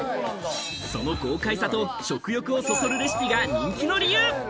その豪快さと食欲をそそるレシピが人気の理由。